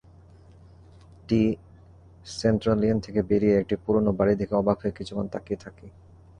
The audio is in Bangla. টি-সেন্ত্রালিয়েন থেকে বেরিয়ে একটি পুরোনো বাড়ি দেখে অবাক হয়ে কিছুক্ষণ তাকিয়ে থাকি।